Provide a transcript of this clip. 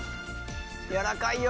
やわらかいよ。